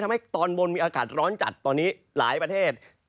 ตอนบนมีอากาศร้อนจัดตอนนี้หลายประเทศ